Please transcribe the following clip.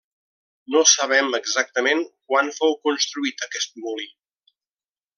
No sabem, exactament quan fou construït aquest molí.